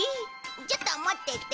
ちょっと持ってて。